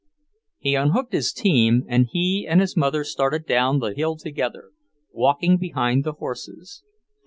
He unhooked his team, and he and his mother started down the hill together, walking behind the horses.